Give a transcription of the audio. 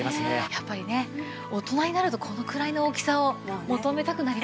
やっぱりね大人になるとこのくらいの大きさを求めたくなりますよね。